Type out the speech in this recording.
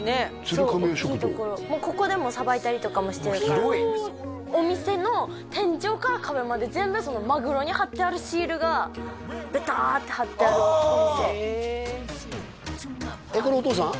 そうおっきいところここでさばいたりとかもしてるから広いお店の天井から壁まで全部マグロに貼ってあるシールがベターッて貼ってあるお店これお父さん？